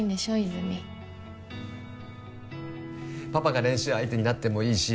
泉実パパが練習相手になってもいいし